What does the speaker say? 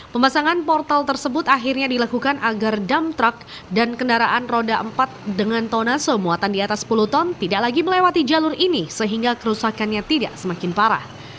pemasangan portal tersebut akhirnya dilakukan agar dam truck dan kendaraan roda empat dengan tonase muatan di atas sepuluh ton tidak lagi melewati jalur ini sehingga kerusakannya tidak semakin parah